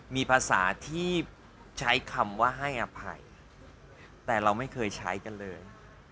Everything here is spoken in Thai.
มีภาษาที่ใช้คำว่าให้อภัยแต่เราไม่เคยใช้กันเลย